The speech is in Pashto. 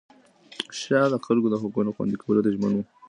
شاه د خلکو د حقونو خوندي کولو ته ژمن و.